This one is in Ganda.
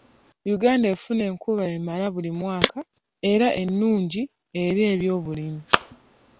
Uganda efuna enkuba emala buli mwaka era ennungi eri eby'obulimi.